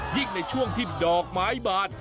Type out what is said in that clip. ยิ่งในช่วงที่ดอกไม้บาน